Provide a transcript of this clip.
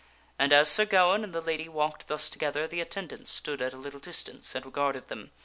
And as Sir Gawaine and the lady walked thus together, the attendants stood at a little distance and regard ed them.